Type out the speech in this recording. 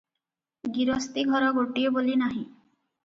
ଗିରସ୍ତି ଘର ଗୋଟିଏ ବୋଲି ନାହିଁ ।